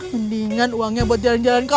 mendingan uangnya buat jalan jalan ke